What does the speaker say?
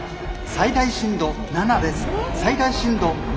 最大震度７です。